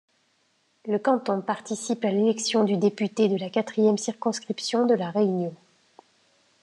Le canton participe à l'élection du député de la quatrième circonscription de La Réunion.